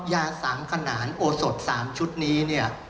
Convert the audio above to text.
ยาสามขนานโอสดสามชุดนี้